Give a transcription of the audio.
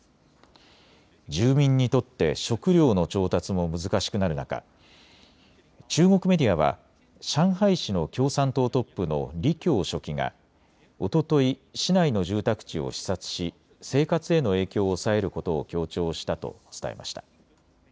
住民にとって食料の調達も難しくなる中、中国メディアは上海市の共産党トップの李強書記がおととい市内の住宅地を視察し生活への影響を抑えることを強調したと伝えました。